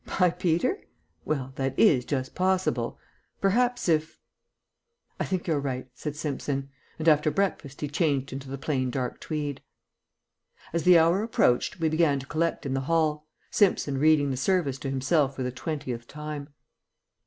"By Peter? Well, that is just possible. Perhaps if " "I think you're right," said Simpson, and after breakfast he changed into the plain dark tweed. As the hour approached we began to collect in the hall, Simpson reading the service to himself for the twentieth time.